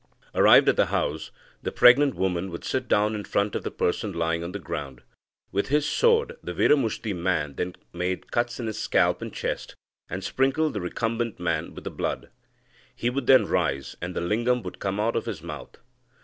Arrived at the house, the pregnant woman would sit down in front of the person lying on the ground. With his sword the Viramushti man then made cuts in his scalp and chest, and sprinkled the recumbent man with the blood. He would then rise, and the lingam would come out of his mouth.